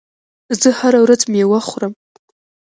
زه هره ورځ مېوه خورم.